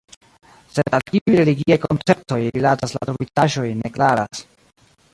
Sed al kiuj religiaj konceptoj rilatas la trovitaĵoj, ne klaras.